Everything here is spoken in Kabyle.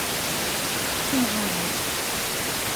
D timɣarin.